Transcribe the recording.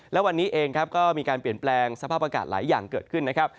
และวันนี้เองครับก็มีการเปลี่ยนแปลงสภาพอากาศหลายอย่างเกิดขึ้นนะครับ